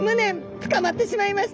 捕まってしまいました。